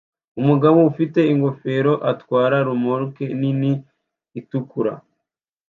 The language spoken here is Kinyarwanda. Umugabo ufite ingofero atwara romoruki nini itukura